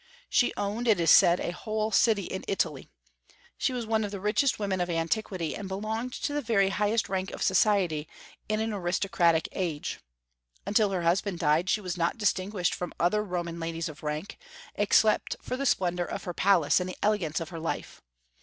She owned, it is said, a whole city in Italy. She was one of the richest women of antiquity, and belonged to the very highest rank of society in an aristocratic age. Until her husband died, she was not distinguished from other Roman ladies of rank, except for the splendor of her palace and the elegance of her life.